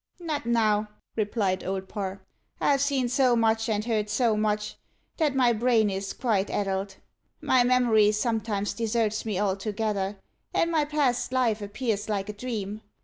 "Not now," replied Old Parr. "I've seen so much, and heard so much, that my brain is quite addled. My memory sometimes deserts me altogether, and my past life appears like a dream.